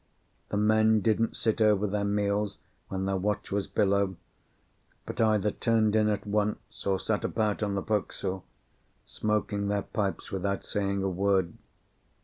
The men didn't sit over their meals when their watch was below, but either turned in at once or sat about on the forecastle, smoking their pipes without saying a word.